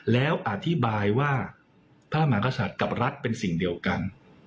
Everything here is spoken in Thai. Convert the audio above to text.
แล้วอธิบายว่าพระมหากษัตริย์กับรัฐเป็นสิ่งเดียวกัน